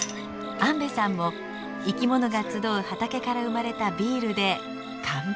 安部さんも生きものが集う畑から生まれたビールで乾杯。